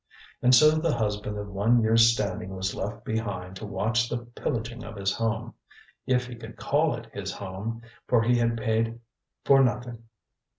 And so the husband of one yearŌĆÖs standing was left behind to watch the pillaging of his home, if he could call it his home, for he had paid for nothing.